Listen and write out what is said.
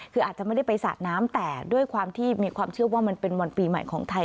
คืออาจจะไม่ได้ไปสาดน้ำแต่ด้วยความที่มีความเชื่อว่ามันเป็นวันปีใหม่ของไทย